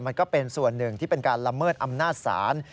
มันก็เป็นส่วนหนึ่งที่เป็นการละเมิดอำนาจศาล